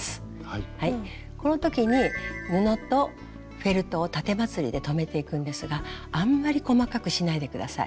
この時に布とフェルトをたてまつりで留めていくんですがあんまり細かくしないで下さい。